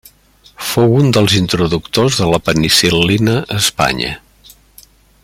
Fou un dels introductors de la penicil·lina a Espanya.